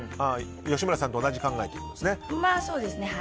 吉村さんと同じ考えということですね。